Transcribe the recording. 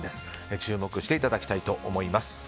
注目していただきたいと思います。